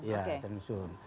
iya sedang menyusun